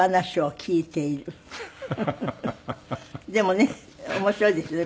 でもね面白いですよね